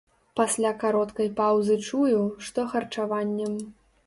Пасля кароткай паўзы чую, што харчаваннем.